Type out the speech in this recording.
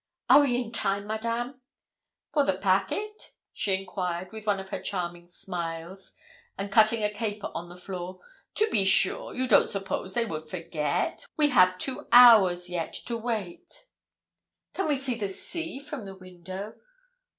'Are we in time, Madame?' 'For the packet?' she enquired, with one of her charming smiles, and cutting a caper on the floor. 'To be sure; you don't suppose they would forget. We have two hours yet to wait.' 'Can we see the sea from the window?'